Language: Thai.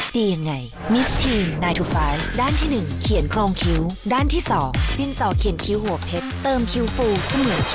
เดินทางปลอดภัณฑ์นะลูก